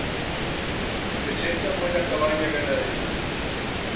Presenta buena cabaña ganadera.